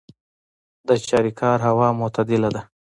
د چاریکار هوا معتدله ده